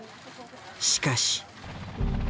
しかし。